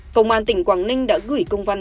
công an tỉnh quảng ninh đã gửi công văn